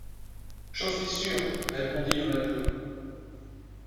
J’en suis sûr, répondit le matelot.